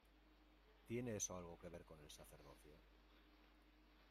¿ tiene eso algo que ver con el sacerdocio?